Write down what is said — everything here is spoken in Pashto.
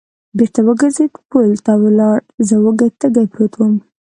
بېرته و ګرځېد، پل ته ولاړ، زه وږی تږی پروت ووم.